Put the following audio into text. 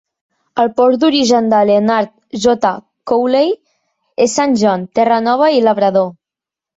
El port d'origen de "Leonard J. Cowley" es Saint John, Terranova i Labrador.